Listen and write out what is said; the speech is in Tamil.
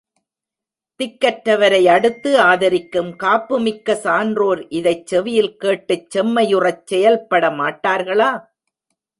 திக்கற்றவரை அடுத்து ஆதரிக்கும் காப்புமிக்க சான்றோர் இதைச் செவியில் கேட்டுச் செம்மை யுறச் செயல்பட மாட்டார்களா?